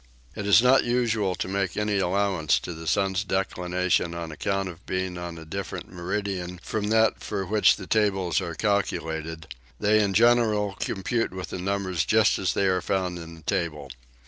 It is not usual to make any allowance to the sun's declination on account of being on a different meridian from that for which the tables are calculated: they in general compute with the numbers just as they are found in the table.